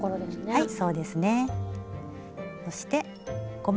はい。